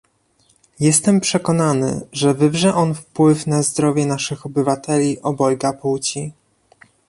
Jestem przekonany, że wywrze on wpływ na zdrowie naszych obywateli obojga płci